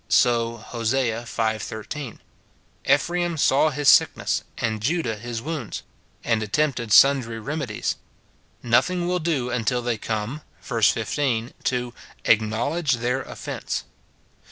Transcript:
So, Hos. v. 13, "Ephraira saw his sickness, and Judah his wounds," and attempted sundry remedies : nothing will do until they come (verse 15) to " acknowledge their offence."